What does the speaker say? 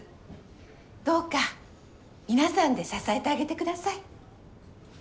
どうか皆さんで支えてあげて下さい。